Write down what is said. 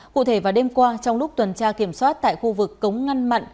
cụ thể vào đêm qua trong lúc tuần tra kiểm soát tại khu vực cống ngăn mặn